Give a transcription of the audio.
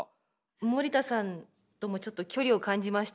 森田さんともちょっと距離を感じました